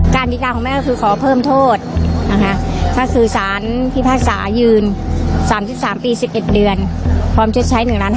การพิการของแม่คือขอเพิ่มโทษถ้าคือสารพิพาสายืน๓๓ปี๑๑เดือนพร้อมจะใช้๑๕๐๐๐๐๐บาท